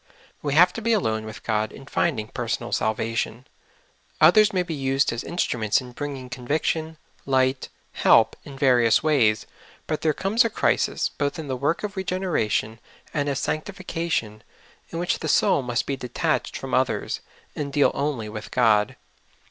We have to be alone with God in finding personal salvation. Others may be used as instruments in bring ing conviction, light, help in various ways ; but there comes a crisis, both in the work of regeneration and of sanctification, in which the soul must be detached from others, and deal only with God.